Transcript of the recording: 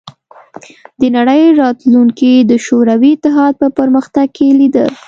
د نړۍ راتلونکې د شوروي اتحاد په پرمختګ کې لیده